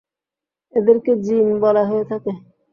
এদেরকে জিন বলা হয়ে থাকে।